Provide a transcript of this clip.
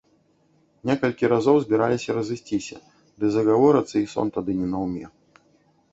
Некалькі разоў збіраліся разысціся, ды загаворацца, й сон тады не наўме.